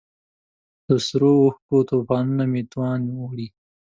د سرو اوښکو توپانونو مې توان وړی